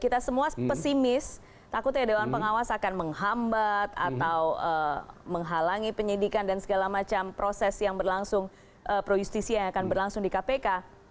kita semua pesimis takut ya dewan pengawas akan menghambat atau menghalangi penyidikan dan segala macam proses yang berlangsung pro justisia yang akan berlangsung di kpk